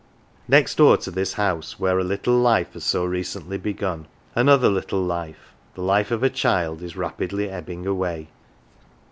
Next door to this house, where a little life has so recently begun, another little life, the life of a child, is rapidly ebbing away.